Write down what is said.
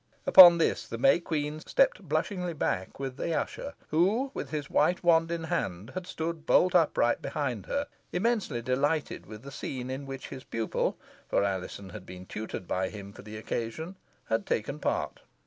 Upon this the May Queen stepped blushingly back with the usher, who, with his white wand in hand, had stood bolt upright behind her, immensely delighted with the scene in which his pupil for Alizon had been tutored by him for the occasion had taken part.